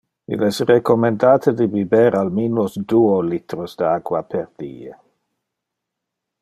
Il es recommendate de biber al minus duo litros de aqua pro die.